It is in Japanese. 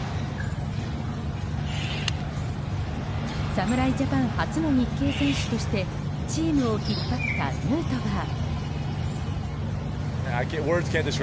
侍ジャパン初の日系選手としてチームを引っ張ったヌートバー。